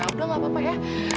abdul gak apa apa ya